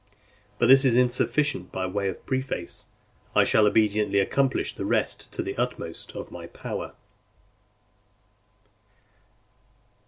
But this is sufficient by way of preface. I shall obediently accomplish the rest to the utmost of my power.